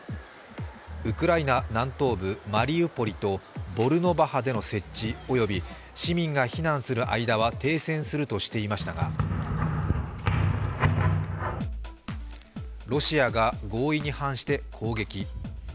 ウクライナ南東部マリウポリとボルノバハでの設置および市民が避難する間は停戦するとしていましたがロシアが合意に反して攻撃。